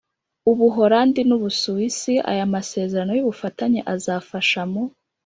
Ubuholandi n Ubusuwisi Aya masezerano y ubufatanye azafasha mu